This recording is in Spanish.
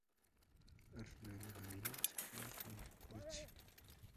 Al final del anime se queda con Koichi.